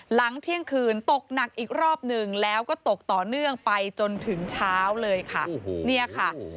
หลังเที่ยงคืนตกหนักอีกรอบหนึ่งแล้วก็ตกต่อเนื่องไปจนถึงเช้าเลยค่ะ